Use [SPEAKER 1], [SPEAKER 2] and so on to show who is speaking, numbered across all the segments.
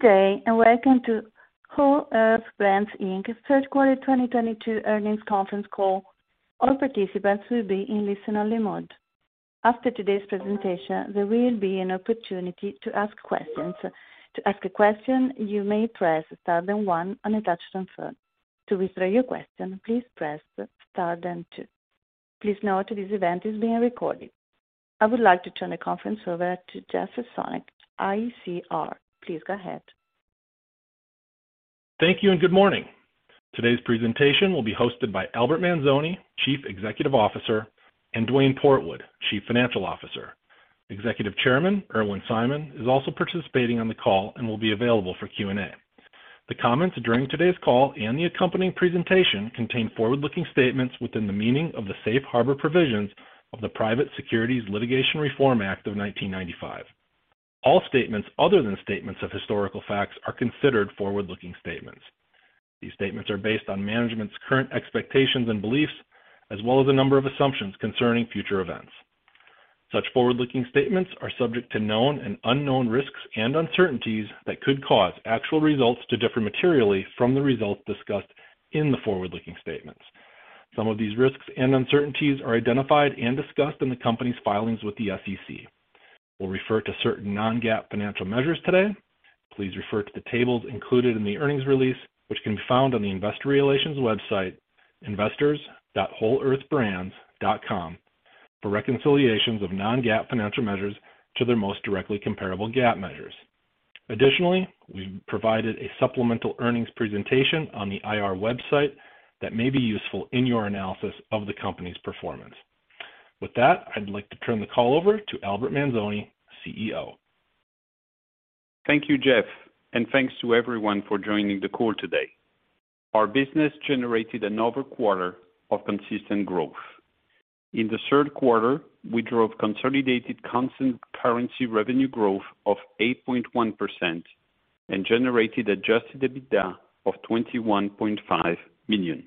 [SPEAKER 1] Good day, and welcome to Whole Earth Brands, Inc., third quarter 2022 earnings conference call. All participants will be in listen only mode. After today's presentation, there will be an opportunity to ask questions. To ask a question, you may press star then one on a touchtone phone. To withdraw your question, please press star then two. Please note this event is being recorded. I would like to turn the conference over to Jeff Sonnek, ICR. Please go ahead.
[SPEAKER 2] Thank you and good morning. Today's presentation will be hosted by Albert Manzone, Chief Executive Officer, and Duane Portwood, Chief Financial Officer. Executive Chairman Irwin Simon is also participating on the call and will be available for Q&A. The comments during today's call and the accompanying presentation contain forward-looking statements within the meaning of the Safe Harbor provisions of the Private Securities Litigation Reform Act of 1995. All statements other than statements of historical facts are considered forward-looking statements. These statements are based on management's current expectations and beliefs, as well as a number of assumptions concerning future events. Such forward-looking statements are subject to known and unknown risks and uncertainties that could cause actual results to differ materially from the results discussed in the forward-looking statements. Some of these risks and uncertainties are identified and discussed in the company's filings with the SEC. We'll refer to certain non-GAAP financial measures today. Please refer to the tables included in the earnings release, which can be found on the investor relations website, investors.wholeearthbrands.com, for reconciliations of non-GAAP financial measures to their most directly comparable GAAP measures. Additionally, we provided a supplemental earnings presentation on the IR website that may be useful in your analysis of the company's performance. With that, I'd like to turn the call over to Albert Manzone, CEO.
[SPEAKER 3] Thank you, Jeff, and thanks to everyone for joining the call today. Our business generated another quarter of consistent growth. In the third quarter, we drove consolidated constant currency revenue growth of 8.1% and generated adjusted EBITDA of $21.5 million.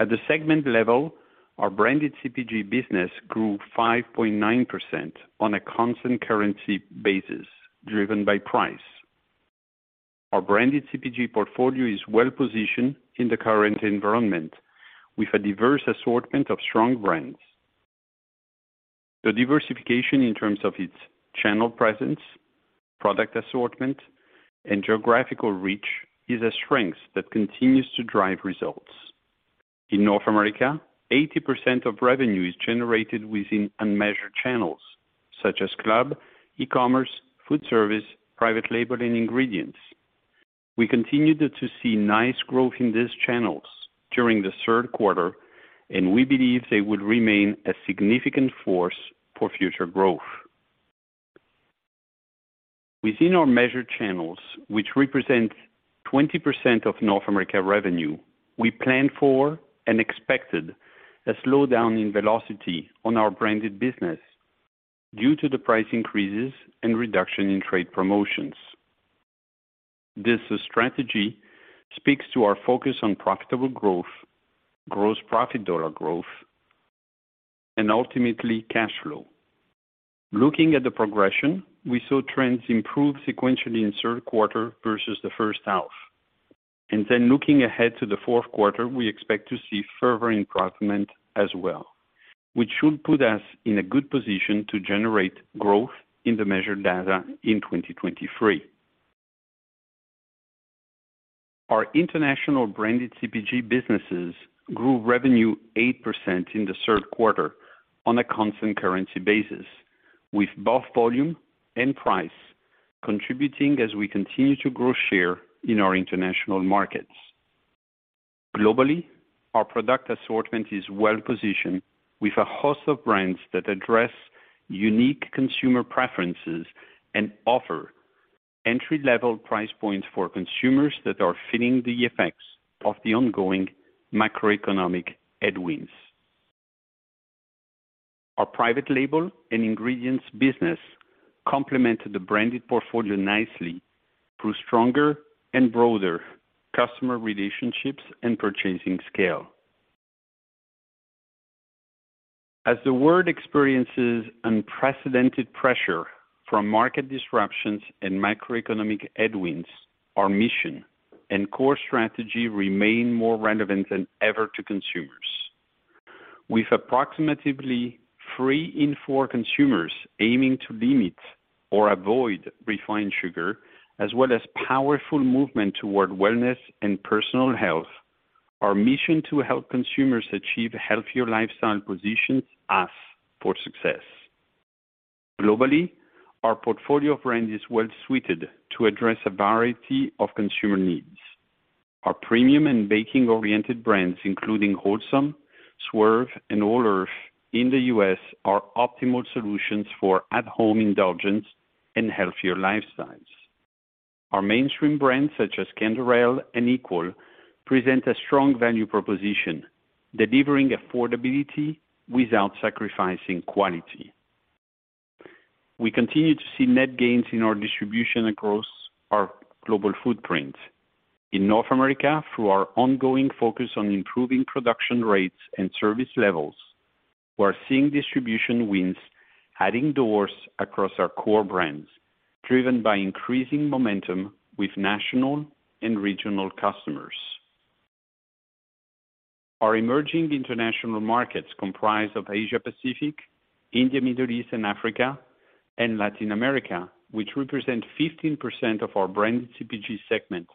[SPEAKER 3] At the segment level, our branded CPG business grew 5.9% on a constant currency basis, driven by price. Our branded CPG portfolio is well positioned in the current environment with a diverse assortment of strong brands. The diversification in terms of its channel presence, product assortment, and geographical reach is a strength that continues to drive results. In North America, 80% of revenue is generated within unmeasured channels such as club, e-commerce, food service, private label, and ingredients. We continued to see nice growth in these channels during the third quarter, and we believe they will remain a significant force for future growth. Within our measured channels, which represent 20% of North America revenue, we planned for and expected a slowdown in velocity on our branded business due to the price increases and reduction in trade promotions. This strategy speaks to our focus on profitable growth, gross profit dollar growth, and ultimately cash flow. Looking at the progression, we saw trends improve sequentially in third quarter versus the first half. Looking ahead to the fourth quarter, we expect to see further improvement as well, which should put us in a good position to generate growth in the measured data in 2023. Our international branded CPG businesses grew revenue 8% in the third quarter on a constant currency basis, with both volume and price contributing as we continue to grow share in our international markets. Globally, our product assortment is well positioned with a host of brands that address unique consumer preferences and offer entry-level price points for consumers that are feeling the effects of the ongoing macroeconomic headwinds. Our private label and ingredients business complemented the branded portfolio nicely through stronger and broader customer relationships and purchasing scale. As the world experiences unprecedented pressure from market disruptions and macroeconomic headwinds, our mission and core strategy remain more relevant than ever to consumers. With approximately three in four consumers aiming to limit or avoid refined sugar, as well as powerful movement toward wellness and personal health, our mission to help consumers achieve healthier lifestyle positions us for success. Globally, our portfolio of brands is well suited to address a variety of consumer needs. Our premium and baking-oriented brands, including Wholesome, Swerve, and Whole Earth in the US, are optimal solutions for at-home indulgence and healthier lifestyles. Our mainstream brands, such as Canderel and Equal, present a strong value proposition, delivering affordability without sacrificing quality. We continue to see net gains in our distribution across our global footprint. In North America, through our ongoing focus on improving production rates and service levels, we're seeing distribution wins adding doors across our core brands, driven by increasing momentum with national and regional customers. Our emerging international markets comprise of Asia Pacific, India, Middle East and Africa, and Latin America, which represent 15% of our branded CPG segment.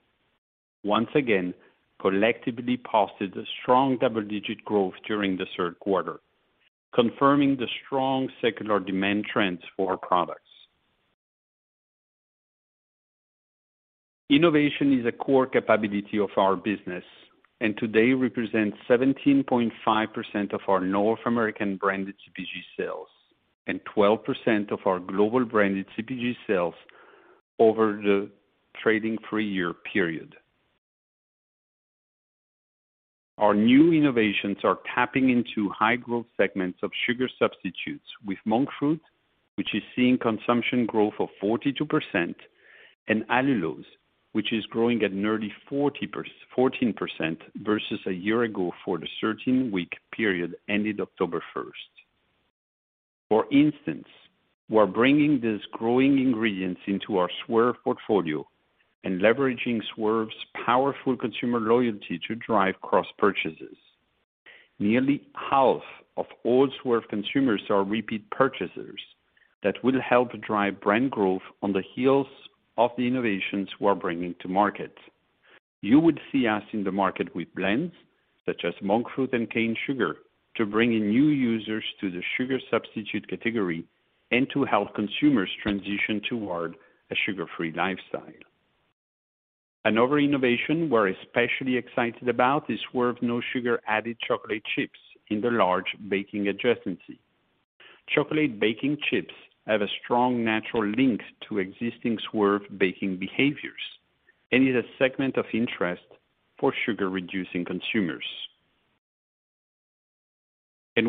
[SPEAKER 3] Once again, collectively posted a strong double-digit growth during the third quarter, confirming the strong secular demand trends for our products. Innovation is a core capability of our business and today represents 17.5% of our North American branded CPG sales and 12% of our global branded CPG sales over the trailing three-year period. Our new innovations are tapping into high growth segments of sugar substitutes with monk fruit, which is seeing consumption growth of 42%, and allulose, which is growing at nearly 14% versus a year ago for the 13-week period ended October 1st. For instance, we're bringing these growing ingredients into our Swerve portfolio and leveraging Swerve's powerful consumer loyalty to drive cross-purchases. Nearly half of all Swerve consumers are repeat purchasers that will help drive brand growth on the heels of the innovations we're bringing to market. You would see us in the market with blends such as monk fruit and cane sugar to bring in new users to the sugar substitute category and to help consumers transition toward a sugar-free lifestyle. Another innovation we're especially excited about is Swerve no sugar added chocolate chips in the large baking adjacency. Chocolate baking chips have a strong natural link to existing Swerve baking behaviors and is a segment of interest for sugar-reducing consumers.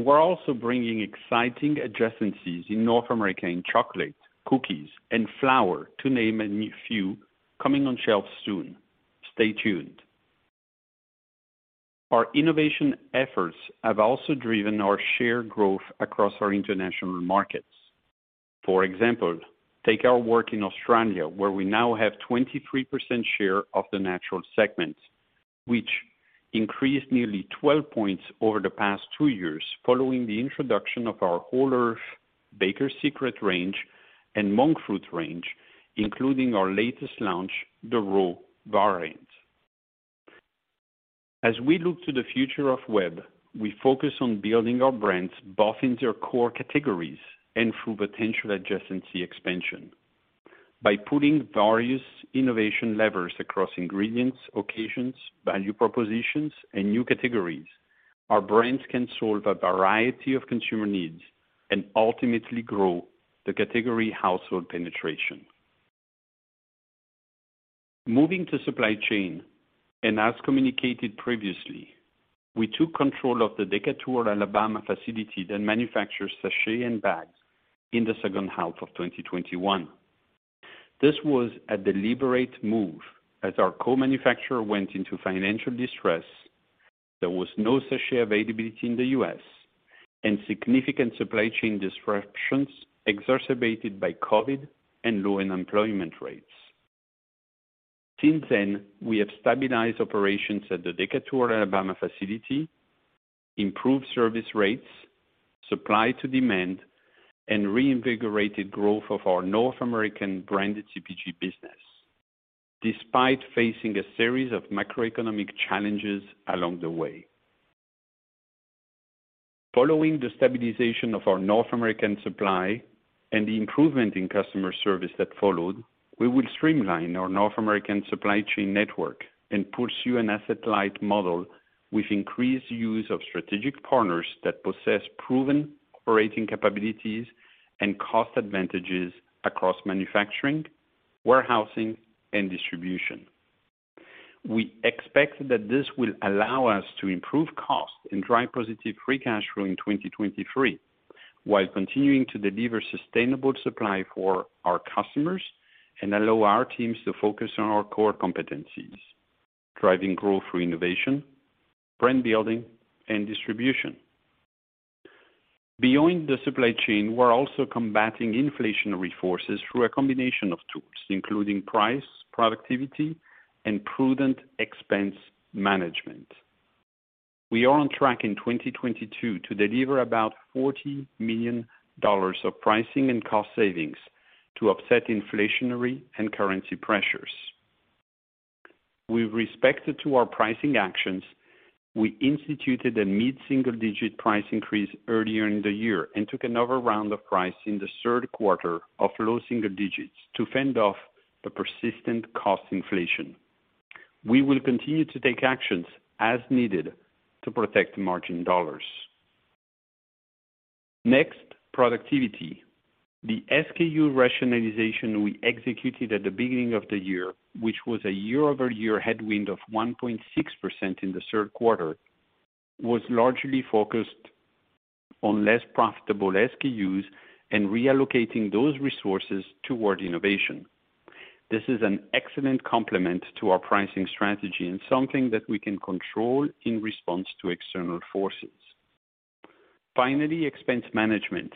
[SPEAKER 3] We're also bringing exciting adjacencies in North America in chocolate, cookies, and flour, to name a few, coming on shelves soon. Stay tuned. Our innovation efforts have also driven our share growth across our international markets. For example, take our work in Australia, where we now have 23% share of the natural segment, which increased nearly 12 points over the past two years following the introduction of our Whole Earth Baker's Secret range and monk fruit range, including our latest launch, the raw variant. As we look to the future of Webb, we focus on building our brands both in their core categories and through potential adjacency expansion. By pulling various innovation levers across ingredients, occasions, value propositions, and new categories, our brands can solve a variety of consumer needs and ultimately grow the category household penetration. Moving to supply chain, and as communicated previously, we took control of the Decatur, Illinois facility that manufactures sachet and bags in the second half of 2021. This was a deliberate move as our co-manufacturer went into financial distress, there was no sachet availability in the U.S., and significant supply chain disruptions exacerbated by COVID and low unemployment rates. Since then, we have stabilized operations at the Decatur, Illinois facility, improved service rates, supply to demand, and reinvigorated growth of our North American branded CPG business despite facing a series of macroeconomic challenges along the way. Following the stabilization of our North American supply and the improvement in customer service that followed, we will streamline our North American supply chain network and pursue an asset-light model with increased use of strategic partners that possess proven operating capabilities and cost advantages across manufacturing, warehousing, and distribution. We expect that this will allow us to improve costs and drive positive free cash flow in 2023, while continuing to deliver sustainable supply for our customers and allow our teams to focus on our core competencies, driving growth through innovation, brand building, and distribution. Beyond the supply chain, we're also combating inflationary forces through a combination of tools, including price, productivity, and prudent expense management. We are on track in 2022 to deliver about $40 million of pricing and cost savings to offset inflationary and currency pressures. With respect to our pricing actions, we instituted a mid-single-digit price increase earlier in the year and took another round of pricing in the third quarter of low single digits to fend off the persistent cost inflation. We will continue to take actions as needed to protect margin dollars. Next, productivity. The SKU rationalization we executed at the beginning of the year, which was a year-over-year headwind of 1.6% in the third quarter, was largely focused on less profitable SKUs and reallocating those resources toward innovation. This is an excellent complement to our pricing strategy and something that we can control in response to external forces. Finally, expense management.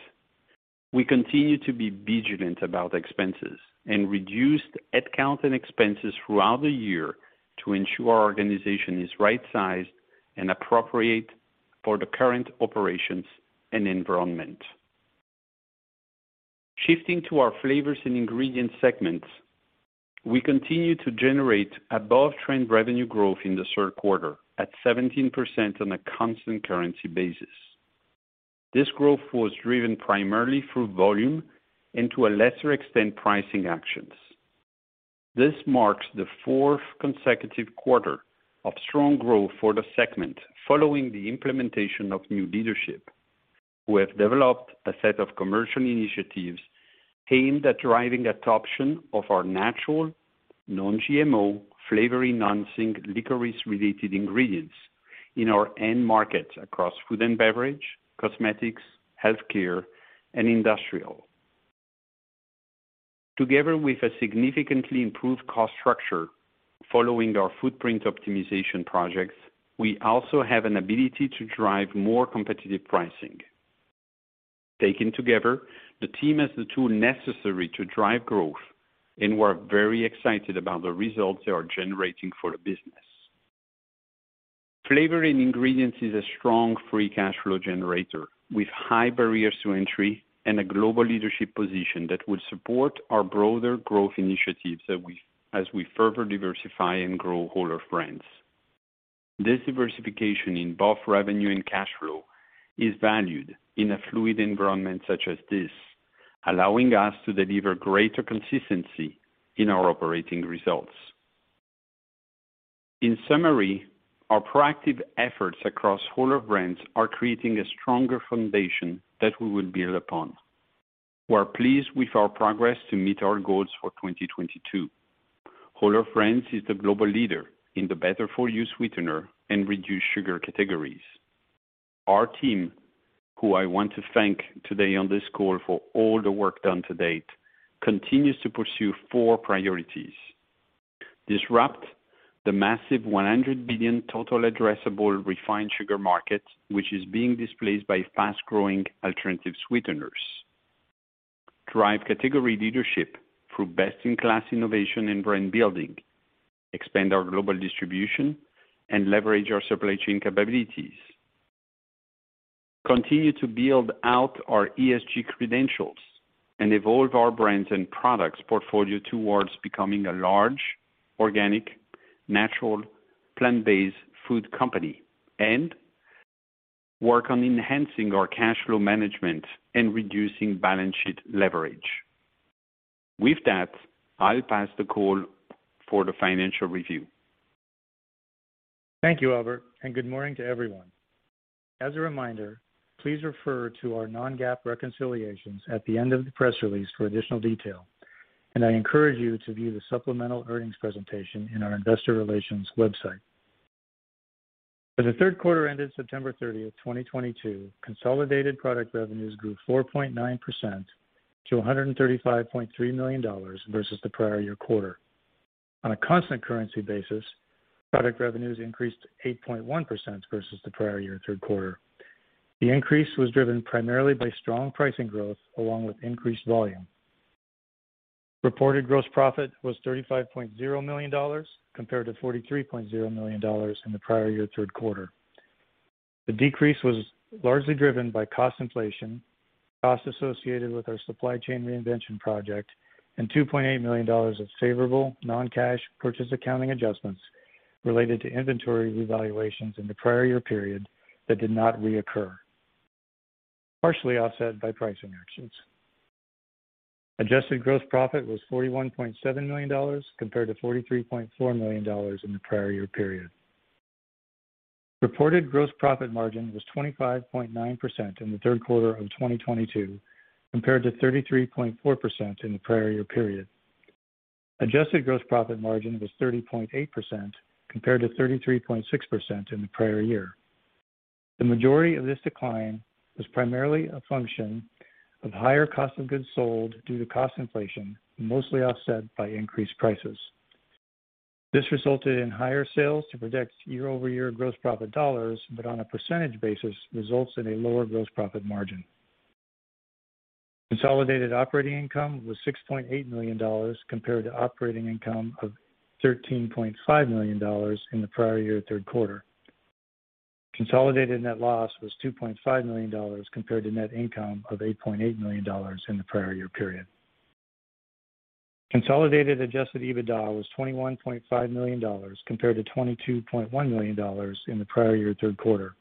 [SPEAKER 3] We continue to be vigilant about expenses and reduced head count and expenses throughout the year to ensure our organization is right-sized and appropriate for the current operations and environment. Shifting to our flavors and ingredients segments, we continue to generate above-trend revenue growth in the third quarter at 17% on a constant currency basis. This growth was driven primarily through volume and to a lesser extent, pricing actions. This marks the fourth consecutive quarter of strong growth for the segment following the implementation of new leadership, who have developed a set of commercial initiatives aimed at driving adoption of our natural non-GMO flavor-enhancing licorice-related ingredients in our end markets across food and beverage, cosmetics, healthcare, and industrial. Together with a significantly improved cost structure following our footprint optimization projects, we also have an ability to drive more competitive pricing. Taken together, the team has the tool necessary to drive growth, and we're very excited about the results they are generating for the business. Flavor and ingredients is a strong free cash flow generator with high barriers to entry and a global leadership position that will support our broader growth initiatives as we further diversify and grow Whole Earth Brands. This diversification in both revenue and cash flow is valued in a fluid environment such as this, allowing us to deliver greater consistency in our operating results. In summary, our proactive efforts across Whole Earth Brands are creating a stronger foundation that we will build upon. We're pleased with our progress to meet our goals for 2022. Whole Earth Brands is the global leader in the better-for-you sweetener and reduced sugar categories. Our team, who I want to thank today on this call for all the work done to date, continues to pursue four priorities. Disrupt the massive $100 billion total addressable refined sugar market, which is being displaced by fast-growing alternative sweeteners. Drive category leadership through best-in-class innovation and brand building. Expand our global distribution and leverage our supply chain capabilities. Continue to build out our ESG credentials and evolve our brands and products portfolio towards becoming a large, organic, natural, plant-based food company. Work on enhancing our cash flow management and reducing balance sheet leverage. With that, I'll pass the call for the financial review.
[SPEAKER 4] Thank you, Albert, and good morning to everyone. As a reminder, please refer to our non-GAAP reconciliations at the end of the press release for additional detail, and I encourage you to view the supplemental earnings presentation in our investor relations website. For the third quarter ended September 30th, 2022, consolidated product revenues grew 4.9% to $135.3 million versus the prior year quarter. On a constant currency basis, product revenues increased 8.1% versus the prior year third quarter. The increase was driven primarily by strong pricing growth along with increased volume. Reported gross profit was $35.0 million compared to $43.0 million in the prior year third quarter. The decrease was largely driven by cost inflation, costs associated with our supply chain reinvention project, and $2.8 million of favorable non-cash purchase accounting adjustments related to inventory revaluations in the prior year period that did not reoccur, partially offset by pricing actions. Adjusted gross profit was $41.7 million compared to $43.4 million in the prior year period. Reported gross profit margin was 25.9% in the third quarter of 2022, compared to 33.4% in the prior year period. Adjusted gross profit margin was 30.8% compared to 33.6% in the prior year. The majority of this decline was primarily a function of higher cost of goods sold due to cost inflation, mostly offset by increased prices. This resulted in higher sales and higher year-over-year gross profit dollars, but on a percentage basis, results in a lower gross profit margin. Consolidated operating income was $6.8 million compared to operating income of $13.5 million in the prior year third quarter. Consolidated net loss was $2.5 million compared to net income of $8.8 million in the prior year period. Consolidated adjusted EBITDA was $21.5 million compared to $22.1 million in the prior year third quarter.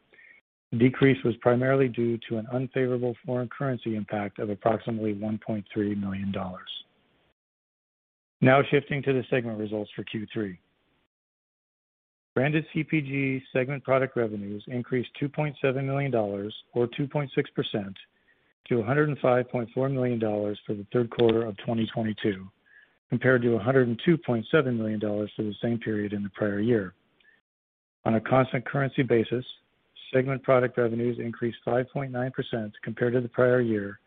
[SPEAKER 4] The decrease was primarily due to an unfavorable foreign currency impact of approximately $1.3 million. Now shifting to the segment results for Q3. Branded CPG segment product revenues increased $2.7 million or 2.6% to $105.4 million for the third quarter of 2022, compared to $102.7 million for the same period in the prior year. On a constant currency basis, segment product revenues increased 5.9% compared to the prior year,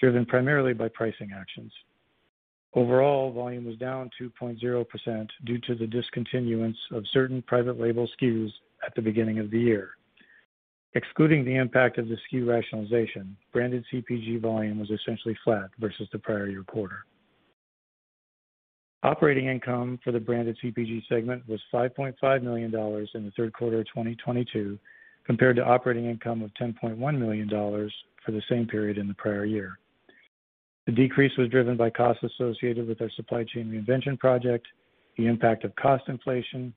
[SPEAKER 4] driven primarily by pricing actions. Overall, volume was down 2.0% due to the discontinuance of certain private label SKUs at the beginning of the year. Excluding the impact of the SKU rationalization, branded CPG volume was essentially flat versus the prior year quarter. Operating income for the branded CPG segment was $5.5 million in the third quarter of 2022, compared to operating income of $10.1 million for the same period in the prior year. The decrease was driven by costs associated with our supply chain reinvention project, the impact of cost inflation,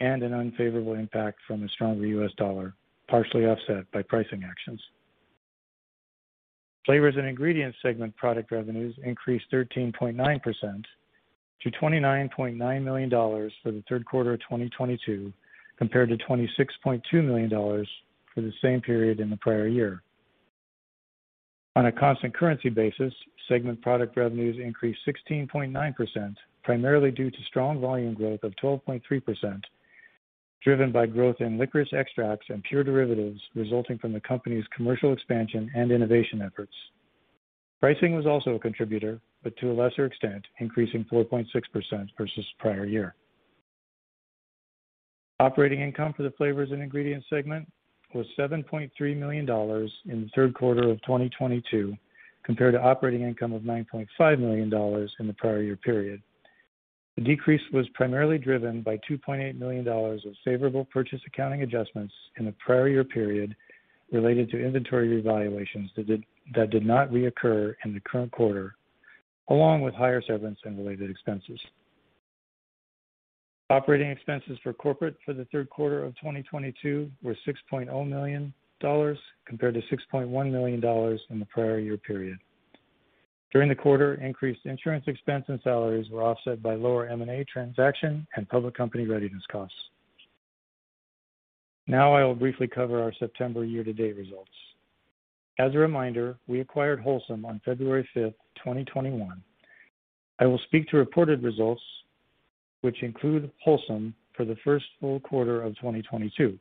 [SPEAKER 4] and an unfavorable impact from a stronger U.S. dollar, partially offset by pricing actions. Flavors and ingredients segment product revenues increased 13.9% to $29.9 million for the third quarter of 2022, compared to $26.2 million for the same period in the prior year. On a constant currency basis, segment product revenues increased 16.9%, primarily due to strong volume growth of 12.3%, driven by growth in licorice extracts and pure derivatives resulting from the company's commercial expansion and innovation efforts. Pricing was also a contributor, but to a lesser extent, increasing 4.6% versus prior year. Operating income for the flavors and ingredients segment was $7.3 million in the third quarter of 2022, compared to operating income of $9.5 million in the prior year period. The decrease was primarily driven by $2.8 million of favorable purchase accounting adjustments in the prior year period related to inventory revaluations that did not reoccur in the current quarter, along with higher severance and related expenses. Operating expenses for corporate for the third quarter of 2022 were $6.0 million, compared to $6.1 million in the prior year period. During the quarter, increased insurance expense and salaries were offset by lower M&A transaction and public company readiness costs. Now I will briefly cover our September year-to-date results. As a reminder, we acquired Wholesome on February 5th, 2021. I will speak to reported results which include Wholesome for the first full quarter of 2022.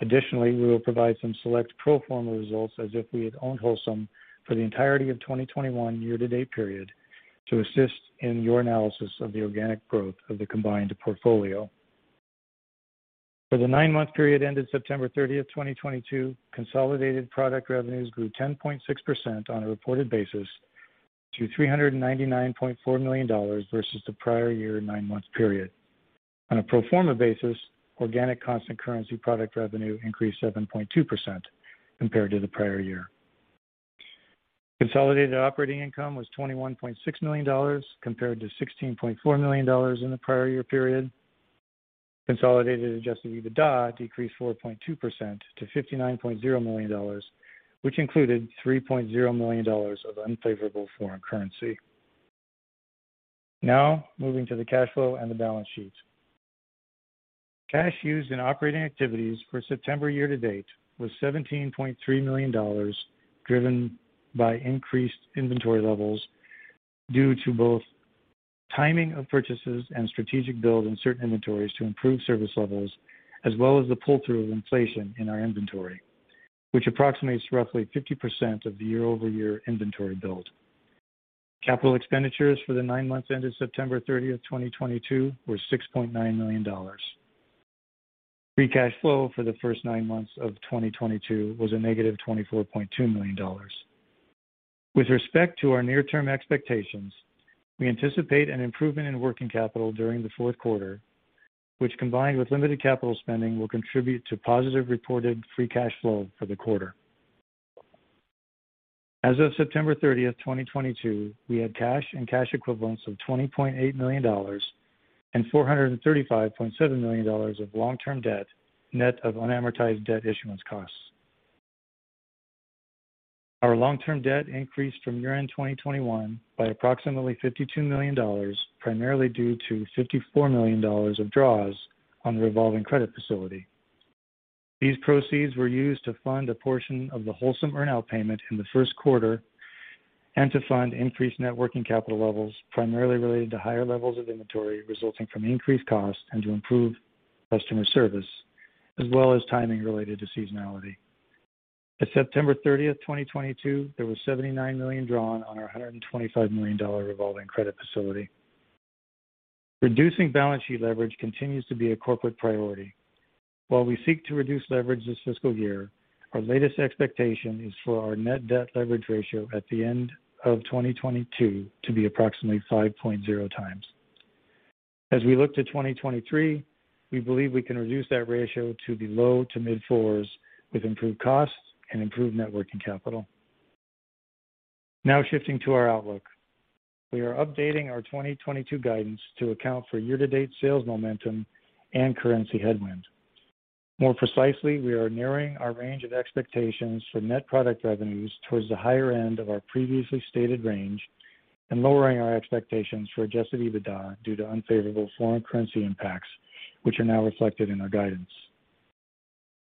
[SPEAKER 4] Additionally, we will provide some select pro forma results as if we had owned Wholesome for the entirety of 2021 year-to-date period to assist in your analysis of the organic growth of the combined portfolio. For the nine-month period ended September thirtieth, 2022, consolidated product revenues grew 10.6% on a reported basis to $399.4 million versus the prior year nine-month period. On a pro forma basis, organic constant currency product revenue increased 7.2% compared to the prior year. Consolidated operating income was $21.6 million compared to $16.4 million in the prior year period. Consolidated adjusted EBITDA decreased 4.2% to $59.0 million, which included $3.0 million of unfavorable foreign currency. Now moving to the cash flow and the balance sheet. Cash used in operating activities for September year to date was $17.3 million, driven by increased inventory levels due to both timing of purchases and strategic build in certain inventories to improve service levels, as well as the pull-through of inflation in our inventory, which approximates roughly 50% of the year-over-year inventory build. Capital expenditures for the nine months ended September 30th, 2022 were $6.9 million. Free cash flow for the first nine months of 2022 was a negative $24.2 million. With respect to our near-term expectations, we anticipate an improvement in working capital during the fourth quarter, which, combined with limited capital spending, will contribute to positive reported free cash flow for the quarter. As of September 30th, 2022, we had cash and cash equivalents of $20.8 million and $435.7 million of long-term debt, net of unamortized debt issuance costs. Our long-term debt increased from year-end 2021 by approximately $52 million, primarily due to $54 million of draws on the revolving credit facility. These proceeds were used to fund a portion of the Wholesome earn-out payment in the first quarter and to fund increased net working capital levels, primarily related to higher levels of inventory resulting from increased costs and to improve customer service, as well as timing related to seasonality. As of September 30, 2022, there was $79 million drawn on our $125 million revolving credit facility. Reducing balance sheet leverage continues to be a corporate priority. While we seek to reduce leverage this fiscal year, our latest expectation is for our net debt leverage ratio at the end of 2022 to be approximately 5.0x. As we look to 2023, we believe we can reduce that ratio to the low- to mid-4s with improved costs and improved net working capital. Now shifting to our outlook. We are updating our 2022 guidance to account for year-to-date sales momentum and currency headwind. More precisely, we are narrowing our range of expectations for net product revenues towards the higher end of our previously stated range and lowering our expectations for adjusted EBITDA due to unfavorable foreign currency impacts, which are now reflected in our guidance.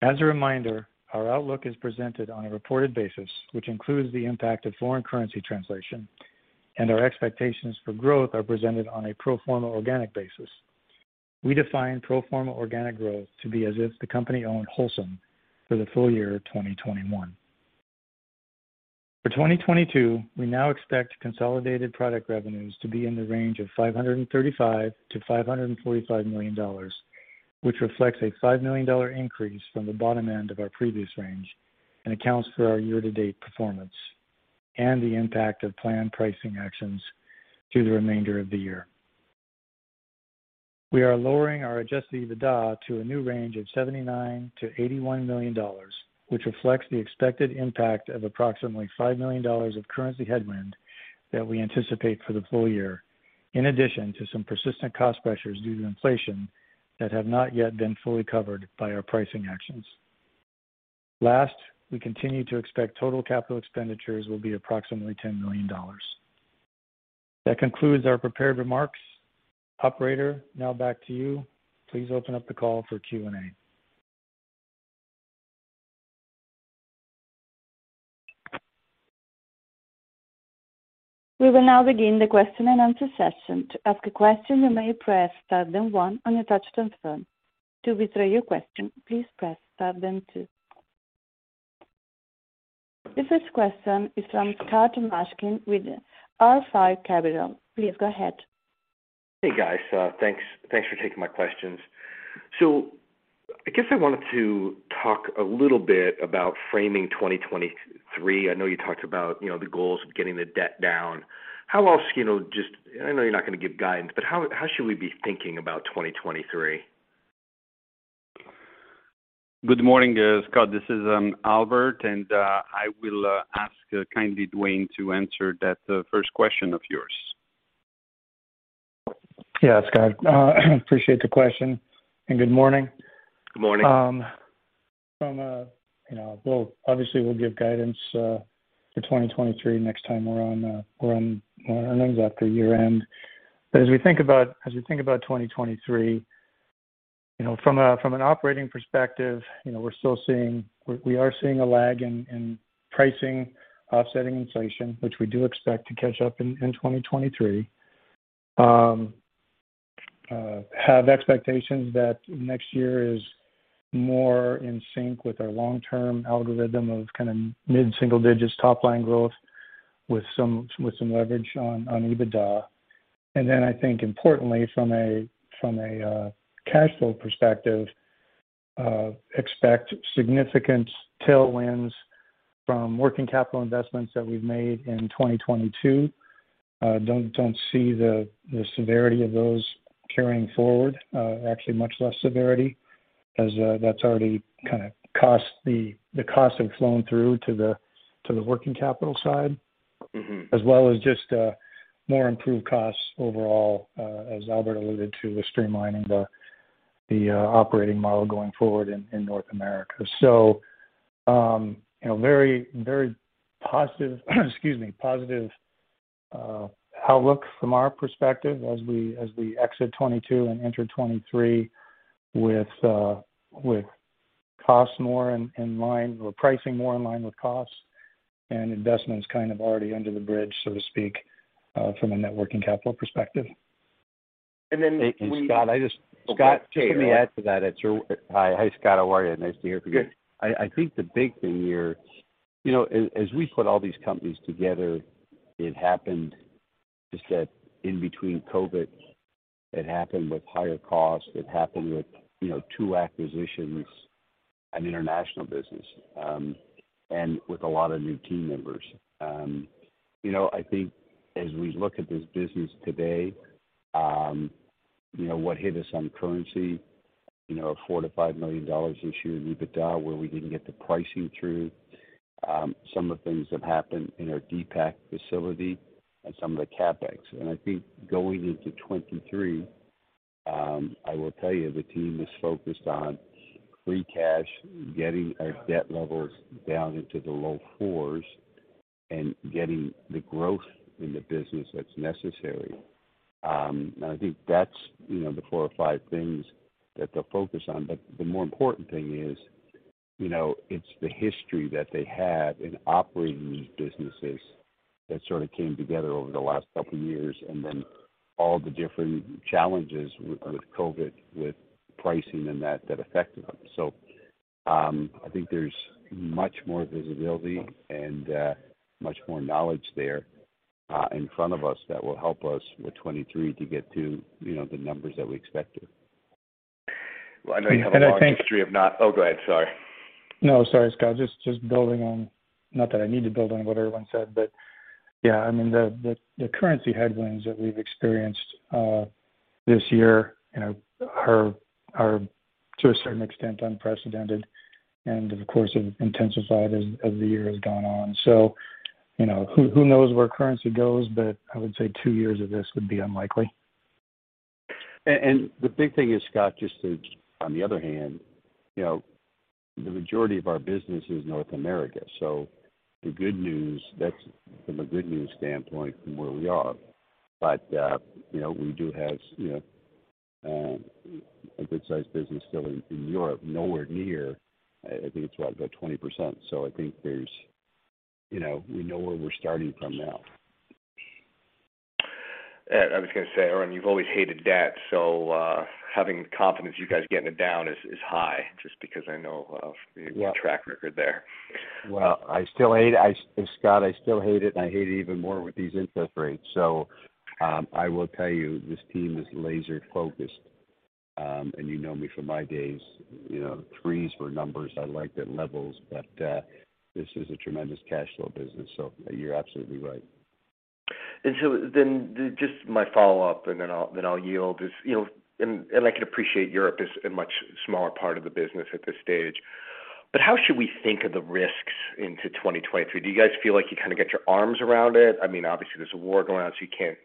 [SPEAKER 4] As a reminder, our outlook is presented on a reported basis, which includes the impact of foreign currency translation, and our expectations for growth are presented on a pro forma organic basis. We define pro forma organic growth to be as if the company owned Wholesome for the full year 2021. For 2022, we now expect consolidated product revenues to be in the range of $535 million-$545 million, which reflects a $5 million increase from the bottom end of our previous range and accounts for our year-to-date performance and the impact of planned pricing actions through the remainder of the year. We are lowering our adjusted EBITDA to a new range of $79 million-$81 million, which reflects the expected impact of approximately $5 million of currency headwind that we anticipate for the full year, in addition to some persistent cost pressures due to inflation that have not yet been fully covered by our pricing actions. Last, we continue to expect total capital expenditures will be approximately $10 million. That concludes our prepared remarks. Operator, now back to you. Please open up the call for Q&A.
[SPEAKER 1] We will now begin the question-and-answer session. To ask a question, you may press star then one on your touch-tone phone. To withdraw your question, please press star then two. The first question is from Scott Mushkin with R5 Capital. Please go ahead.
[SPEAKER 5] Hey, guys. Thanks for taking my questions. I guess I wanted to talk a little bit about framing 2023. I know you talked about, you know, the goals of getting the debt down. How else, you know, just I know you're not gonna give guidance, but how should we be thinking about 2023?
[SPEAKER 3] Good morning, Scott. This is Albert, and I will ask kindly Duane to answer that first question of yours.
[SPEAKER 4] Yeah. Scott, appreciate the question, and good morning.
[SPEAKER 5] Good morning.
[SPEAKER 4] You know, we'll obviously give guidance for 2023 next time we're on earnings after year-end. As we think about 2023, you know, from an operating perspective, you know, we are seeing a lag in pricing offsetting inflation, which we do expect to catch up in 2023. Have expectations that next year is more in sync with our long-term algorithm of kind of mid-single digits top line growth with some leverage on EBITDA. I think importantly from a cash flow perspective, expect significant tailwinds from working capital investments that we've made in 2022. Don't see the severity of those carrying forward. Actually much less severity as that's already the costs have flowed through to the working capital side.
[SPEAKER 5] Mm-hmm.
[SPEAKER 4] As well as just more improved costs overall, as Albert alluded to, with streamlining the operating model going forward in North America. You know, very positive outlook from our perspective as we exit 2022 and enter 2023 with costs more in line or pricing more in line with costs and investments kind of already under the bridge, so to speak, from a net working capital perspective.
[SPEAKER 5] And then-
[SPEAKER 6] Hey, Scott, I just. Okay. Scott, just let me add to that. Hi. Hi, Scott. How are you? Nice to hear from you.
[SPEAKER 5] Good.
[SPEAKER 6] I think the big thing here, you know, as we put all these companies together, it happened just that in between COVID, it happened with higher costs, it happened with, you know, two acquisitions and international business, and with a lot of new team members. You know, I think as we look at this business today, you know, what hit us on currency, you know, $4-$5 million this year in EBITDA, where we didn't get the pricing through, some of the things that happened in our Decatur facility and some of the CapEx. I think going into 2023, I will tell you, the team is focused on free cash, getting our debt levels down into the low fours and getting the growth in the business that's necessary. I think that's, you know, the four or five things that they'll focus on. The more important thing is, you know, it's the history that they have in operating these businesses that sort of came together over the last couple of years and then all the different challenges with COVID with pricing and that that affected them. I think there's much more visibility and much more knowledge there in front of us that will help us with 2023 to get to, you know, the numbers that we expected.
[SPEAKER 5] Well, I know you have a long history of not.
[SPEAKER 4] I think.
[SPEAKER 5] Oh, go ahead. Sorry.
[SPEAKER 4] No. Sorry, Scott. Just building on. Not that I need to build on what everyone said, but yeah, I mean, the currency headwinds that we've experienced this year, you know, are to a certain extent unprecedented and of course have intensified as the year has gone on. You know, who knows where currency goes, but I would say two years of this would be unlikely.
[SPEAKER 6] The big thing is, Scott, on the other hand, you know, the majority of our business is North America. The good news, that's from a good news standpoint from where we are. You know, we do have, you know, a good sized business still in Europe, nowhere near. I think it's about 20%. I think there's, you know, we know where we're starting from now.
[SPEAKER 5] Yeah. I was gonna say, Irwin, you've always hated debt, so, having confidence you guys getting it down is high, just because I know of-
[SPEAKER 6] Yeah
[SPEAKER 5] your track record there.
[SPEAKER 6] Scott, I still hate it, and I hate it even more with these interest rates. I will tell you, this team is laser-focused. You know me from my days, you know, threes were numbers I liked at levels, but this is a tremendous cash flow business, so you're absolutely right.
[SPEAKER 5] Just my follow-up, and then I'll yield. You know, I can appreciate Europe is a much smaller part of the business at this stage, but how should we think of the risks into 2023? Do you guys feel like you kinda get your arms around it? I mean, obviously there's a war going on, so you can't,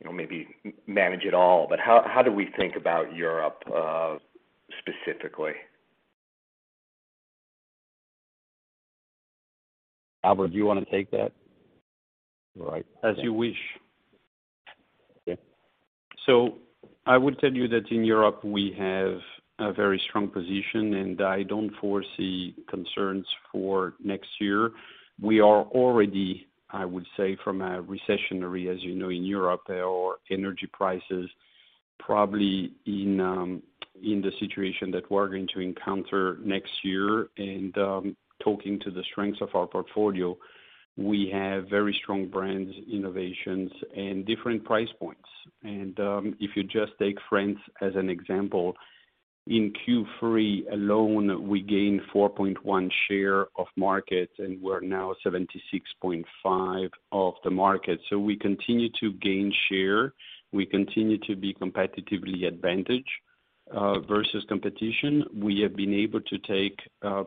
[SPEAKER 5] you know, maybe manage it all. But how do we think about Europe, specifically?
[SPEAKER 6] Albert, do you wanna take that?
[SPEAKER 3] Right.
[SPEAKER 6] As you wish.
[SPEAKER 3] Okay. I would tell you that in Europe we have a very strong position, and I don't foresee concerns for next year. We are already, I would say from a recessionary, as you know, in Europe, our energy prices probably in the situation that we're going to encounter next year. Talking to the strengths of our portfolio, we have very strong brands, innovations and different price points. If you just take France as an example, in Q3 alone, we gained 4.1% share of market, and we're now 76.5% of the market. We continue to gain share. We continue to be competitively advantaged versus competition. We have been able to take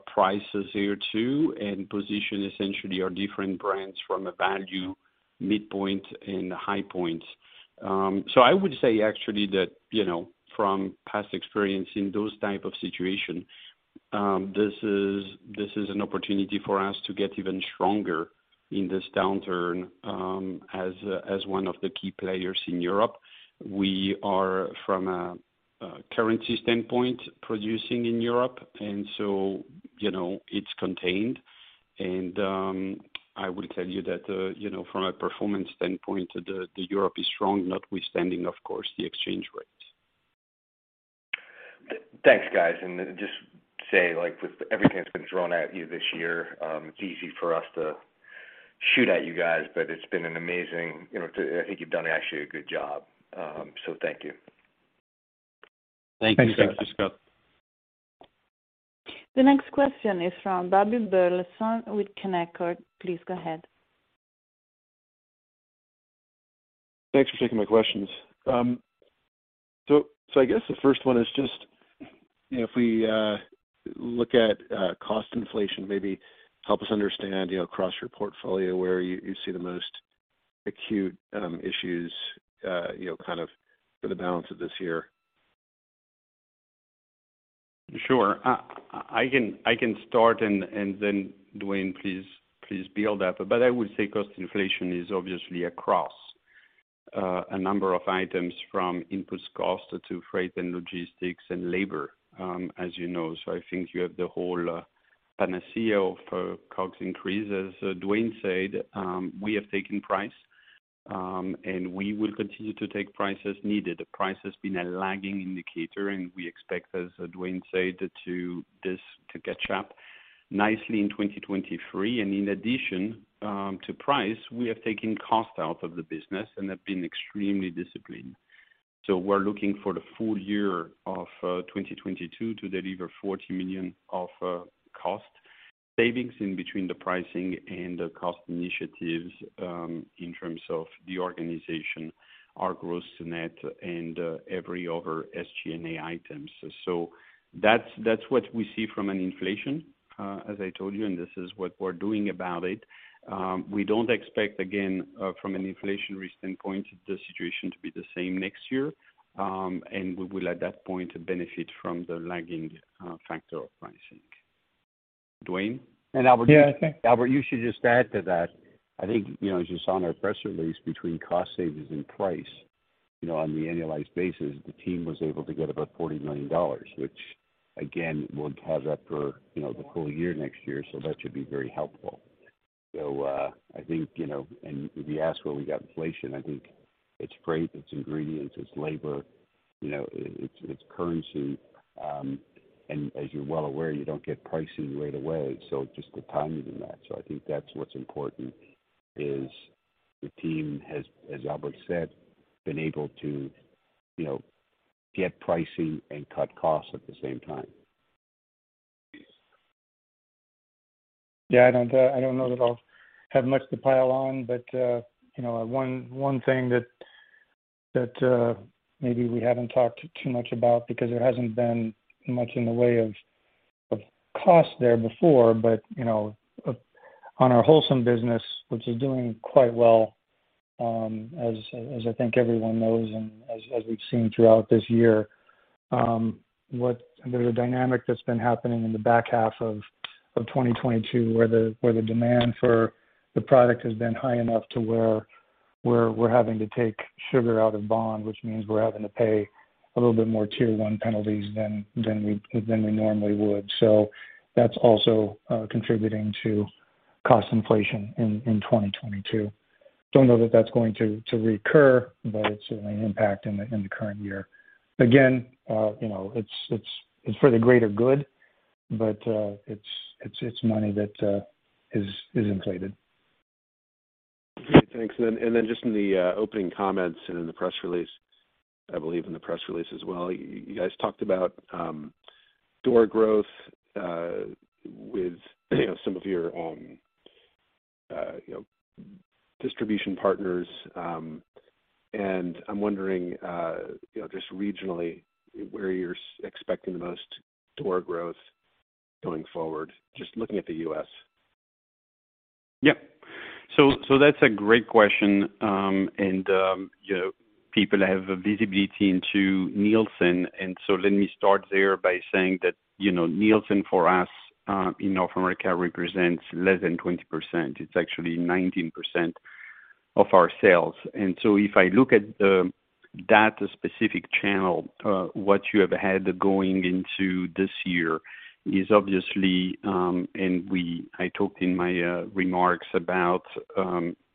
[SPEAKER 3] prices here too, and position essentially our different brands from a value midpoint and high points. I would say actually that, you know, from past experience in those type of situation, this is an opportunity for us to get even stronger in this downturn as one of the key players in Europe. We are from a currency standpoint producing in Europe, and so, you know, it's contained. I will tell you that, you know, from a performance standpoint, Europe is strong, notwithstanding, of course, the exchange rates.
[SPEAKER 5] Thanks, guys. Just say, like, with everything that's been thrown at you this year, it's easy for us to shoot at you guys, but it's been an amazing, you know, I think you've done actually a good job. Thank you.
[SPEAKER 6] Thank you.
[SPEAKER 3] Thanks, Scott.
[SPEAKER 4] Thanks, Scott.
[SPEAKER 1] The next question is from Bobby Burleson with Canaccord. Please go ahead.
[SPEAKER 7] Thanks for taking my questions. I guess the first one is just, you know, if we look at cost inflation, maybe help us understand, you know, across your portfolio, where you see the most acute issues, you know, kind of for the balance of this year.
[SPEAKER 3] Sure. I can start and then Duane, please build up. I would say cost inflation is obviously across a number of items from input cost to freight and logistics and labor, as you know. I think you have the whole panoply of cost increases. As Duane said, we have taken price and we will continue to take price as needed. Price has been a lagging indicator, and we expect, as Duane said, for this to catch up nicely in 2023. In addition to price, we have taken cost out of the business and have been extremely disciplined. We're looking for the full year of 2022 to deliver $40 million of cost savings in between the pricing and the cost initiatives, in terms of the organization, our gross, net and every other SG&A items. That's what we see from an inflation, as I told you, and this is what we're doing about it. We don't expect, again, from an inflationary standpoint, the situation to be the same next year. We will, at that point, benefit from the lagging factor of pricing. Duane?
[SPEAKER 6] Albert.
[SPEAKER 3] Yeah, thanks.
[SPEAKER 6] Albert, you should just add to that. I think, you know, as you saw in our press release between cost savings and price, you know, on the annualized basis, the team was able to get about $40 million, which again, will add up for, you know, the full year next year. That should be very helpful. I think, you know, and if you ask where we got inflation, I think it's freight, it's ingredients, it's labor, you know, it's currency. As you're well aware, you don't get pricing right away, so just the timing in that. I think that's what's important is the team has, as Albert said, been able to, you know, get pricing and cut costs at the same time.
[SPEAKER 3] Yeah. I don't know that I'll have much to pile on, but, you know, one thing that maybe we haven't talked too much about because there hasn't been much in the way of cost there before, but, you know, on our Wholesome business, which is doing quite well, as I think everyone knows and as we've seen throughout this year.
[SPEAKER 4] There's a dynamic that's been happening in the back half of 2022, where the demand for the product has been high enough to where we're having to take sugar out of bond, which means we're having to pay a little bit more tier one penalties than we normally would. That's also contributing to cost inflation in 2022. Don't know that that's going to recur, but it's an impact in the current year. Again, you know, it's for the greater good, but it's money that is inflated.
[SPEAKER 7] Great. Thanks. Just in the opening comments and in the press release, I believe in the press release as well, you guys talked about door growth with, you know, some of your distribution partners. I'm wondering, you know, just regionally where you're expecting the most door growth going forward, just looking at the U.S.
[SPEAKER 3] Yep. That's a great question. You know, people have a visibility into Nielsen. Let me start there by saying that, you know, Nielsen for us, in North America represents less than 20%. It's actually 19% of our sales. If I look at that specific channel, what you have had going into this year is obviously, I talked in my remarks about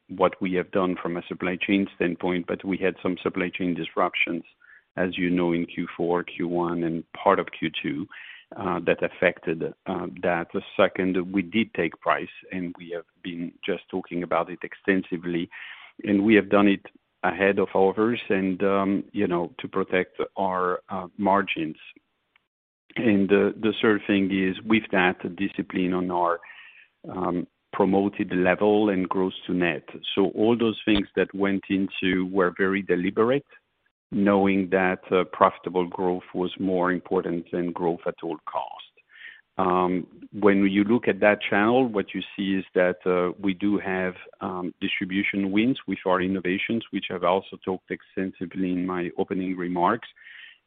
[SPEAKER 3] what we have done from a supply chain standpoint, but we had some supply chain disruptions, as you know, in Q4, Q1, and part of Q2, that affected that. Second, we did take price, and we have been just talking about it extensively, and we have done it ahead of others and, you know, to protect our margins. The third thing is with that discipline on our promoted level and gross to net. All those things that went into were very deliberate, knowing that profitable growth was more important than growth at all cost. When you look at that channel, what you see is that we do have distribution wins with our innovations, which I've also talked extensively in my opening remarks,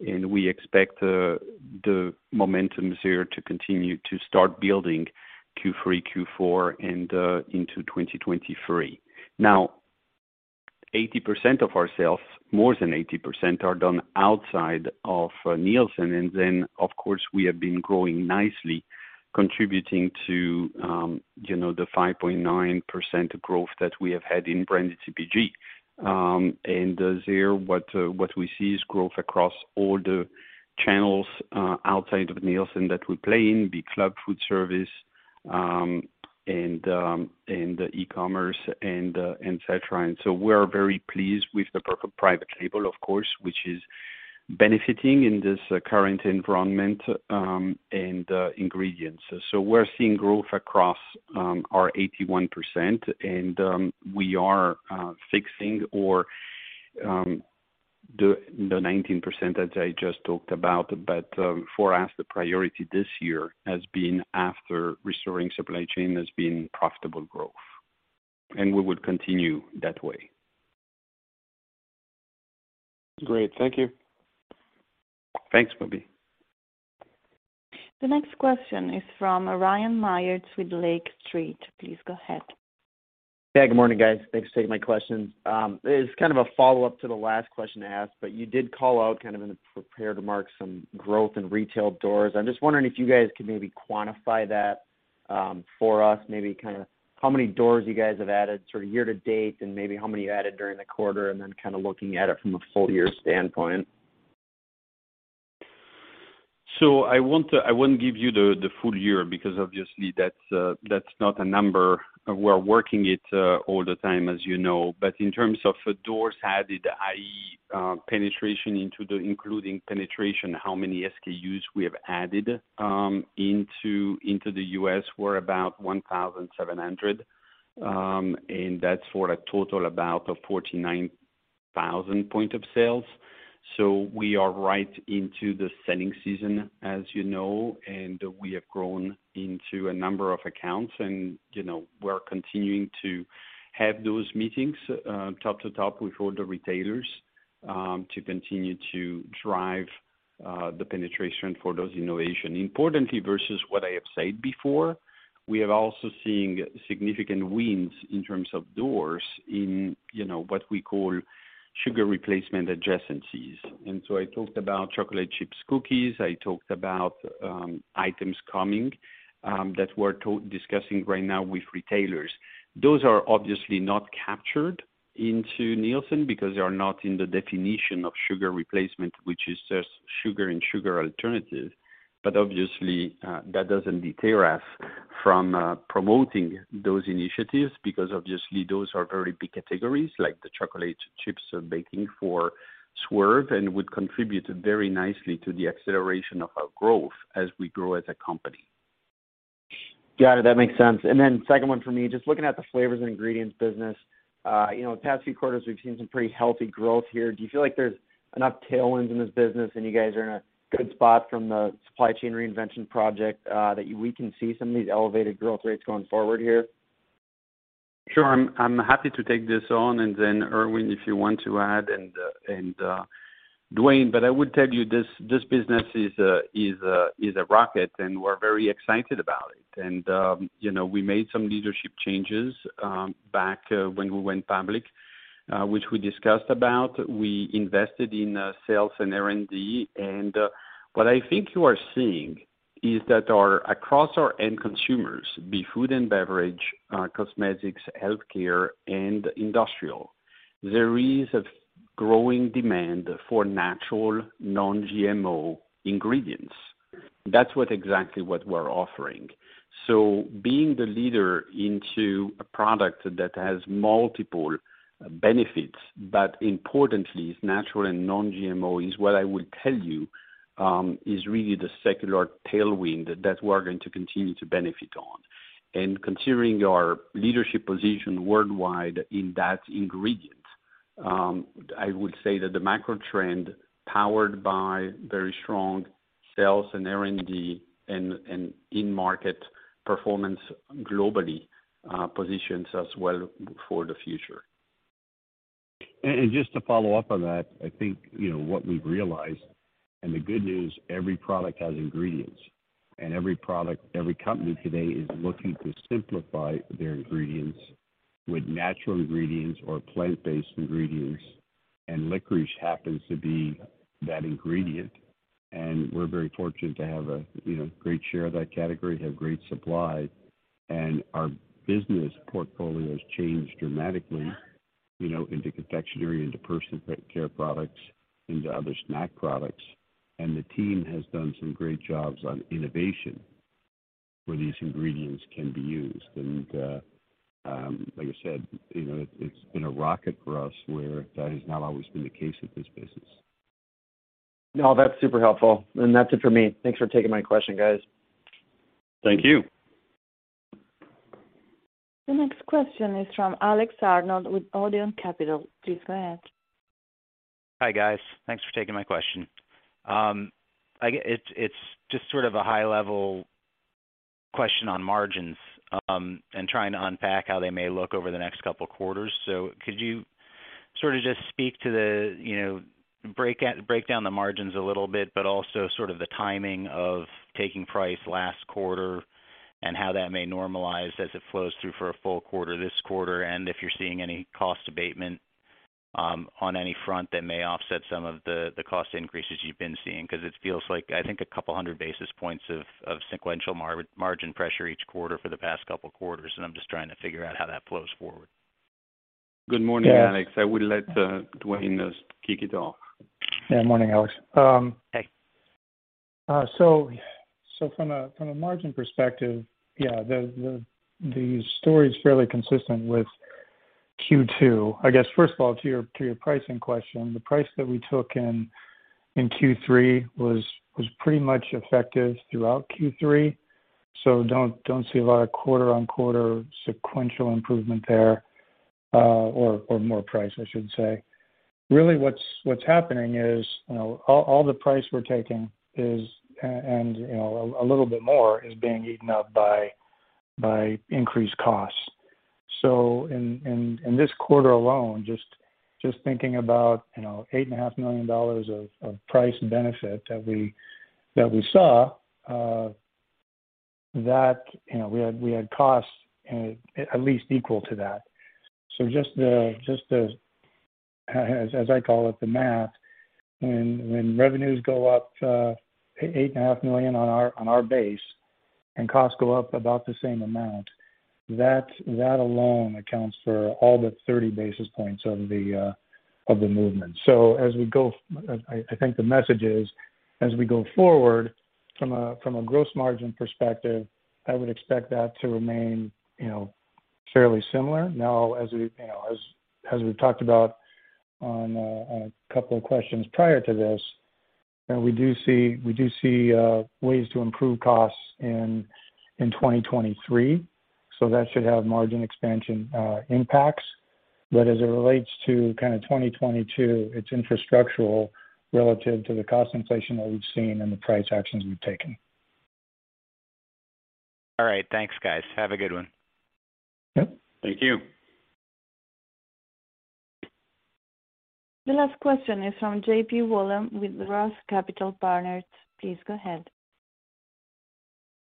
[SPEAKER 3] and we expect the momentums here to continue to start building Q3, Q4 and into 2023. Now, 80% of our sales, more than 80% are done outside of Nielsen. Then, of course, we have been growing nicely, contributing to, you know, the 5.9% growth that we have had in branded CPG. We see growth across all the channels outside of Nielsen that we play in, e.g., club, food service, and e-commerce and et cetera. We're very pleased with the private label, of course, which is benefiting in this current environment, and ingredients. We're seeing growth across our 81% and we are fixing the 19% that I just talked about. For us, the priority this year has been, after restoring supply chain, profitable growth, and we will continue that way.
[SPEAKER 7] Great. Thank you.
[SPEAKER 3] Thanks, Bobby.
[SPEAKER 1] The next question is from Ryan Meyers with Lake Street. Please go ahead.
[SPEAKER 8] Yeah, good morning, guys. Thanks for taking my questions. It's kind of a follow-up to the last question asked, but you did call out kind of in the prepared remarks some growth in retail doors. I'm just wondering if you guys could maybe quantify that, for us, maybe kind of how many doors you guys have added sort of year to date and maybe how many you added during the quarter, and then kind of looking at it from a full year standpoint.
[SPEAKER 3] I wouldn't give you the full year because obviously that's not a number. We're working it all the time, as you know. In terms of doors added, i.e., penetration including penetration, how many SKUs we have added into the U.S. were about 1,700, and that's for a total about 49,000 points of sale. We are right into the selling season, as you know, and we have grown into a number of accounts and, you know, we're continuing to have those meetings top to top with all the retailers to continue to drive the penetration for those innovations. Importantly, versus what I have said before, we are also seeing significant wins in terms of doors in, you know, what we call sugar replacement adjacencies. I talked about chocolate chip cookies, items coming that we're discussing right now with retailers. Those are obviously not captured into Nielsen because they are not in the definition of sugar replacement, which is just sugar and sugar alternative. Obviously, that doesn't deter us from promoting those initiatives because obviously those are very big categories like the chocolate chip baking for Swerve and would contribute very nicely to the acceleration of our growth as we grow as a company.
[SPEAKER 8] Got it. That makes sense. Then second one for me, just looking at the flavors and ingredients business. You know, the past few quarters we've seen some pretty healthy growth here. Do you feel like there's enough tailwinds in this business and you guys are in a good spot from the supply chain reinvention project, that we can see some of these elevated growth rates going forward here?
[SPEAKER 3] Sure. I'm happy to take this on, and then, Irwin, if you want to add and Duane. I would tell you this business is a rocket, and we're very excited about it. You know, we made some leadership changes back when we went public, which we discussed about. We invested in sales and R&D. What I think you are seeing is that across our end consumers, be it food and beverage, cosmetics, healthcare and industrial, there is a growing demand for natural non-GMO ingredients. That's exactly what we're offering. Being the leader into a product that has multiple benefits, but importantly is natural and non-GMO, is what I would tell you is really the secular tailwind that we're going to continue to benefit on. Considering our leadership position worldwide in that ingredient, I would say that the macro trend, powered by very strong sales and R&D and in market performance globally, positions us well for the future.
[SPEAKER 6] Just to follow up on that, I think, you know, what we've realized and the good news, every product has ingredients. Every product, every company today is looking to simplify their ingredients with natural ingredients or plant-based ingredients, and licorice happens to be that ingredient. We're very fortunate to have a, you know, great share of that category, have great supply. Our business portfolio has changed dramatically, you know, into confectionery, into personal care products, into other snack products. The team has done some great jobs on innovation where these ingredients can be used. Like I said, you know, it's been a rocket for us, where that has not always been the case with this business.
[SPEAKER 8] No, that's super helpful. That's it for me. Thanks for taking my question, guys.
[SPEAKER 3] Thank you.
[SPEAKER 1] The next question is from Alex Arnold with Odeon Capital. Please go ahead.
[SPEAKER 9] Hi, guys. Thanks for taking my question. It's just sort of a high-level question on margins, and trying to unpack how they may look over the next couple quarters. Could you sort of just speak to the, you know, break down the margins a little bit, but also sort of the timing of taking price last quarter and how that may normalize as it flows through for a full quarter this quarter, and if you're seeing any cost abatement, on any front that may offset some of the cost increases you've been seeing. 'Cause it feels like, I think, a couple hundred basis points of sequential margin pressure each quarter for the past couple quarters, and I'm just trying to figure out how that flows forward.
[SPEAKER 3] Good morning, Alex. I will let Duane kick it off.
[SPEAKER 4] Yeah. Morning, Alex.
[SPEAKER 9] Hey
[SPEAKER 4] From a margin perspective, yeah, the story is fairly consistent with Q2. I guess, first of all, to your pricing question, the price that we took in Q3 was pretty much effective throughout Q3, so don't see a lot of quarter-on-quarter sequential improvement there, or more price, I should say. Really what's happening is, you know, all the price we're taking is, and, you know, a little bit more is being eaten up by increased costs. In this quarter alone, just thinking about, you know, $8.5 million of price benefit that we saw, you know, we had costs at least equal to that. Just the, as I call it, the math, when revenues go up $8.5 million on our base and costs go up about the same amount, that alone accounts for all the 30 basis points of the movement. As we go forward from a gross margin perspective, I think the message is I would expect that to remain, you know, fairly similar. Now as we, you know, as we've talked about on a couple of questions prior to this, you know, we do see ways to improve costs in 2023, so that should have margin expansion impacts. As it relates to kind of 2022, it's infrastructural relative to the cost inflation that we've seen and the price actions we've taken.
[SPEAKER 9] All right. Thanks, guys. Have a good one.
[SPEAKER 4] Yep.
[SPEAKER 3] Thank you.
[SPEAKER 1] The last question is from J.P. Wollam with ROTH Capital Partners. Please go ahead.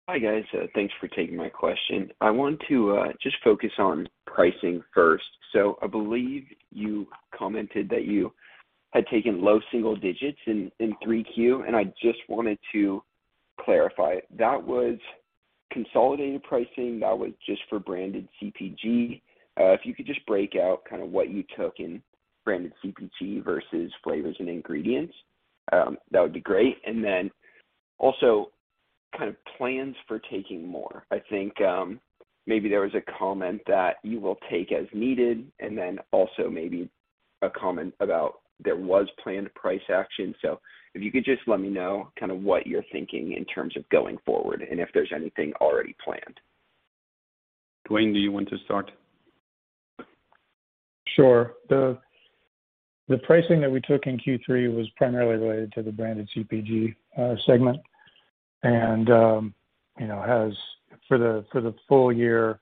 [SPEAKER 10] Hi, guys. Thanks for taking my question. I want to just focus on pricing first. I believe you commented that you had taken low single digits in 3Q, and I just wanted to clarify. That was consolidated pricing. That was just for branded CPG. If you could just break out kind of what you took in branded CPG versus flavors and ingredients, that would be great. Then also kind of plans for taking more. I think, maybe there was a comment that you will take as needed and then also maybe a comment about there was planned price action. If you could just let me know kind of what you're thinking in terms of going forward and if there's anything already planned.
[SPEAKER 3] Duane, do you want to start?
[SPEAKER 4] Sure. The pricing that we took in Q3 was primarily related to the branded CPG segment. You know, as for the full year,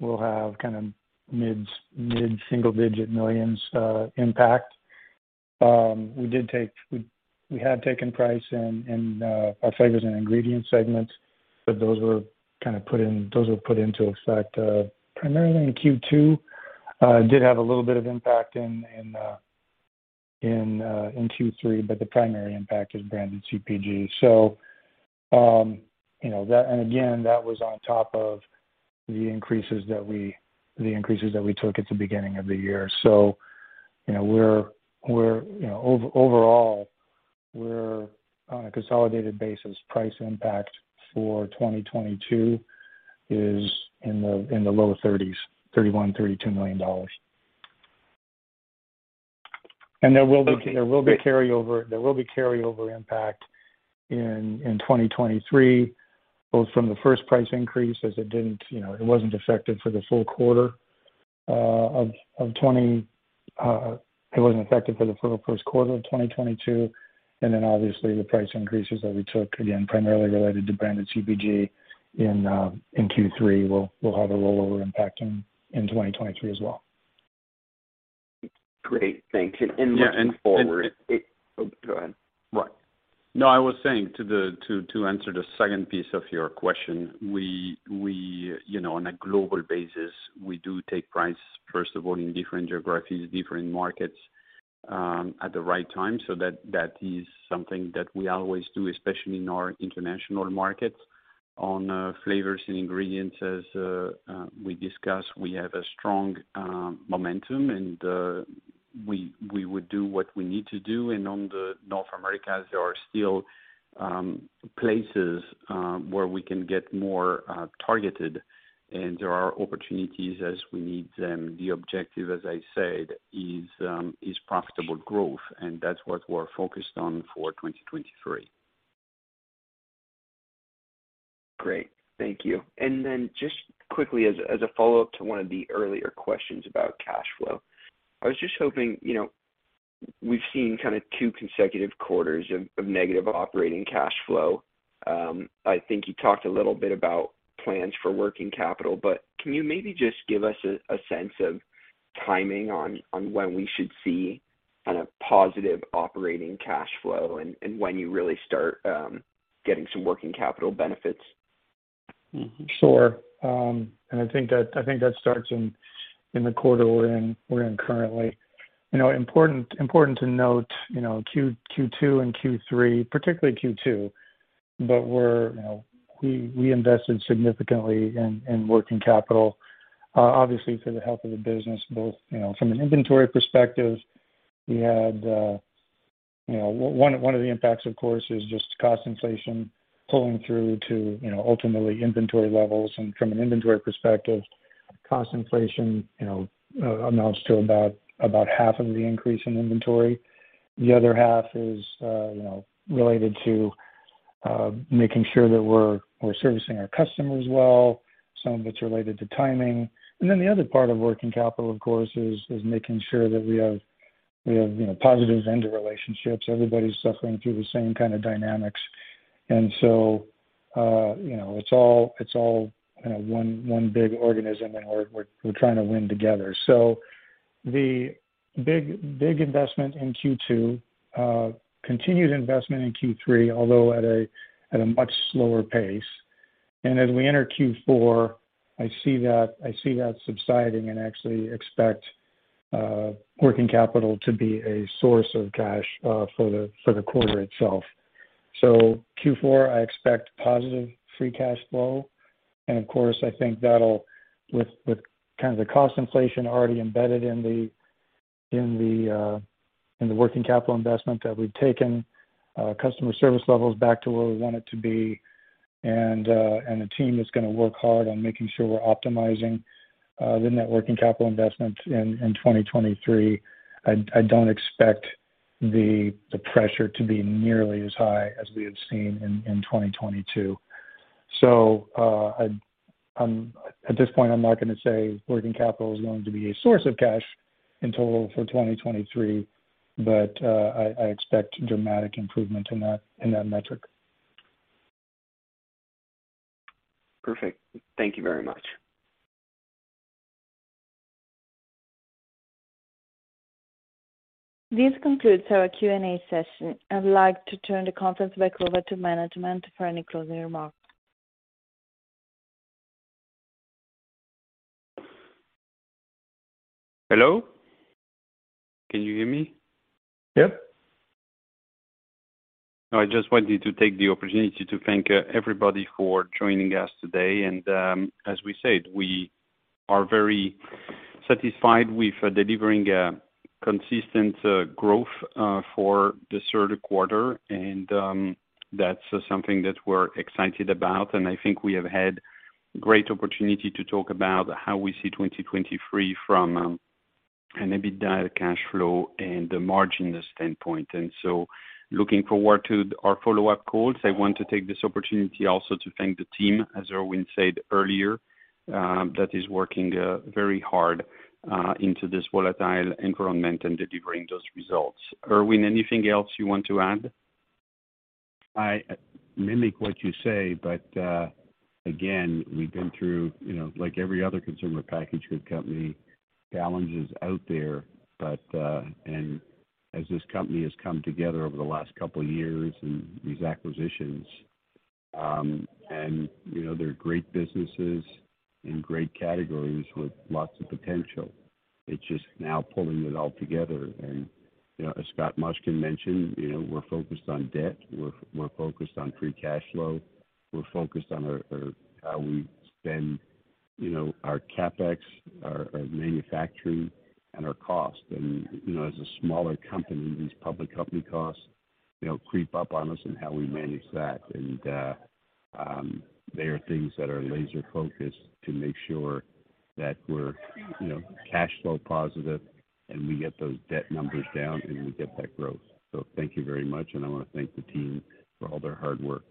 [SPEAKER 4] we'll have kind of mid single-digit millions impact. We had taken price in our flavors and ingredients segment, but those were put into effect primarily in Q2. It did have a little bit of impact in Q3, but the primary impact is branded CPG. You know, again, that was on top of the increases that we took at the beginning of the year. You know, overall, we're on a consolidated basis the price impact for 2022 is in the low 30s, $31-$32 million. There will be carryover impact in 2023, both from the first price increase as it, you know, wasn't effective for the full first quarter of 2022. Then obviously the price increases that we took, again, primarily related to branded CPG in Q3 will have a rollover impact in 2023 as well.
[SPEAKER 10] Great. Thank you. Looking forward.
[SPEAKER 3] Yeah.
[SPEAKER 10] Oh, go ahead.
[SPEAKER 3] Right. No, I was saying to answer the second piece of your question. You know, on a global basis, we do take price, first of all, in different geographies, different markets, at the right time. That is something that we always do, especially in our international markets. On flavors and ingredients, as we discussed, we have a strong momentum and we would do what we need to do. On the North America, there are still places where we can get more targeted, and there are opportunities as we need them. The objective, as I said, is profitable growth, and that's what we're focused on for 2023.
[SPEAKER 10] Great. Thank you. Just quickly as a follow-up to one of the earlier questions about cash flow, I was just hoping, you know, we've seen kind of two consecutive quarters of negative operating cash flow. I think you talked a little bit about plans for working capital, but can you maybe just give us a sense of timing on when we should see kind of positive operating cash flow and when you really start getting some working capital benefits?
[SPEAKER 4] Sure. I think that starts in the quarter we're in currently. You know, important to note, you know, Q2 and Q3, particularly Q2, but we're, you know, we invested significantly in working capital, obviously for the health of the business, both, you know, from an inventory perspective, we had, you know, one of the impacts of course is just cost inflation pulling through to, you know, ultimately inventory levels. From an inventory perspective, cost inflation, you know, amounts to about half of the increase in inventory. The other half is, you know, related to making sure that we're servicing our customers well, some of it's related to timing. The other part of working capital, of course, is making sure that we have you know positive vendor relationships. Everybody's suffering through the same kind of dynamics. It's all you know one big organism and we're trying to win together. The big investment in Q2 continued investment in Q3, although at a much slower pace. As we enter Q4, I see that subsiding and actually expect working capital to be a source of cash for the quarter itself. Q4, I expect positive free cash flow. Of course, I think that will, with kind of the cost inflation already embedded in the working capital investment that we've taken customer service levels back to where we want it to be. The team is gonna work hard on making sure we're optimizing the net working capital investment in 2023. I don't expect the pressure to be nearly as high as we have seen in 2022. At this point, I'm not gonna say working capital is going to be a source of cash in total for 2023, but I expect dramatic improvement in that metric.
[SPEAKER 10] Perfect. Thank you very much.
[SPEAKER 1] This concludes our Q&A session. I'd like to turn the conference back over to management for any closing remarks.
[SPEAKER 3] Hello? Can you hear me?
[SPEAKER 4] Yep.
[SPEAKER 3] I just wanted to take the opportunity to thank everybody for joining us today. As we said, we are very satisfied with delivering a consistent growth for the third quarter. That's something that we're excited about. I think we have had great opportunity to talk about how we see 2023 from an EBITDA cash flow and the margin standpoint. Looking forward to our follow-up calls. I want to take this opportunity also to thank the team, as Irwin said earlier, that is working very hard in this volatile environment and delivering those results. Irwin, anything else you want to add?
[SPEAKER 6] I mimic what you say, but again, we've been through, you know, like every other consumer packaged goods company, challenges out there. As this company has come together over the last couple of years and these acquisitions, you know, they're great businesses and great categories with lots of potential. It's just now pulling it all together. As Scott Mushkin mentioned, you know, we're focused on debt. We're focused on free cash flow. We're focused on how we spend, you know, our CapEx, our manufacturing and our cost. As a smaller company, these public company costs, you know, creep up on us and how we manage that. They are things that are laser-focused to make sure that we're, you know, cash flow positive and we get those debt numbers down, and we get that growth. Thank you very much, and I wanna thank the team for all their hard work.